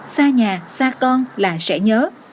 xa nhà xa con là sẽ nhớ